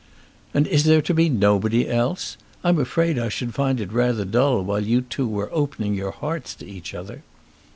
"And is there to be nobody else? I'm afraid I should find it rather dull while you two were opening your hearts to each other."